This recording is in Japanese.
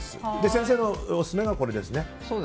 先生のオススメがこれですね。